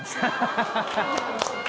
ハハハハ！